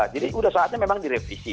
jadi sudah saatnya memang direvisi